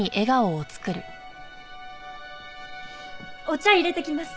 お茶入れてきます。